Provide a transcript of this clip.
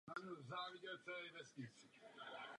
Existuje několik dělení planktonu.